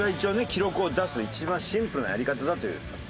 記録を出す一番シンプルなやり方だという。